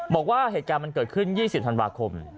บอกว่าเหตุการณ์มันเกิดขึ้น๒๐ธันวาคม